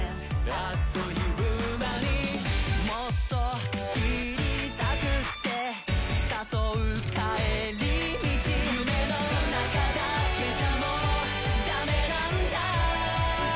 あっという間にもっと知りたくって誘う帰り道夢の中だけじゃもうダメなんだ！